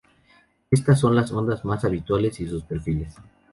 Estas son las ondas más habituales y sus perfiles.